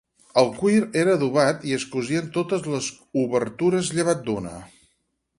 El cuir era adobat i es cosien totes les obertures llevat d'una.